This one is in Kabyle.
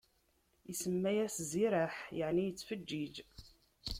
Isemma-yas Ziraḥ, yeɛni yettfeǧǧiǧ.